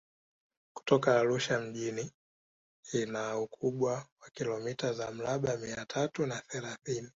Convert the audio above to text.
Kutoka Arusha mjini ina ukubwa wa kilometa za mraba mia tatu na thelathini